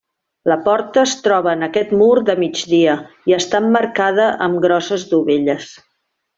La porta es troba en aquest mur de migdia i està emmarcada amb grosses dovelles.